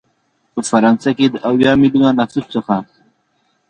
فرانسه کې د اویا ملیونه نفوس څخه